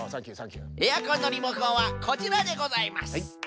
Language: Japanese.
エアコンのリモコンはこちらでございます。